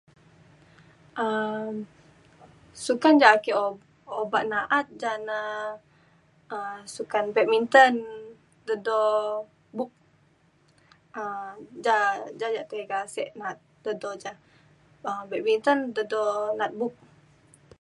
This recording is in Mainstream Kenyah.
um sukan ja ake obak na’at ja na um sukan badminton de do buk um ja ia’ tiga sek na’at te do ja um badminton de do na’at buk